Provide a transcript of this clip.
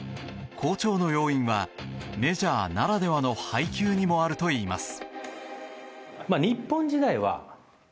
好調の要因はメジャーならではの配球にもあるといいます。